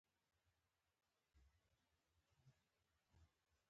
خو د خوراک لپاره مې څه و نه موندل.